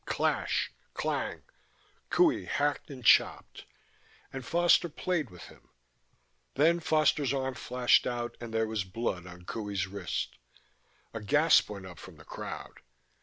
Clash, clang! Qohey hacked and chopped ... and Foster played with him. Then Foster's arm flashed out and there was blood on Qohey's wrist. A gasp went up from the crowd.